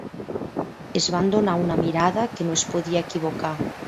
Es van donar una mirada que no es podia equivocar